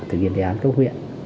thực hiện đề án cho huyện